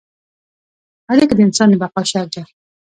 اړیکه د انسان د بقا شرط ده.